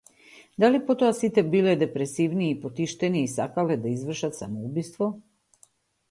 Дали потоа сите биле депресивни и потиштени и сакале да извршат самоубиство?